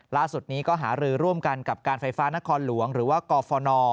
ล่าสุดนี้ก็หารือร่วมกันกับการไฟฟ้านครหลวงหรือว่ากฟน